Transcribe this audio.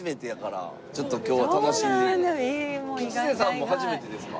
吉瀬さんも初めてですか？